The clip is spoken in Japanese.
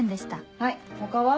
はい他は？